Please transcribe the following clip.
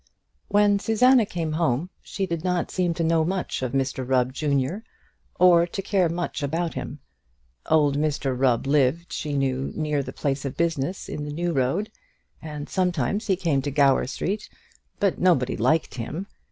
When Susanna came home she did not seem to know much of Mr Rubb, junior, or to care much about him. Old Mr Rubb lived, she knew, near the place of business in the New Road, and sometimes he came to Gower Street, but nobody liked him.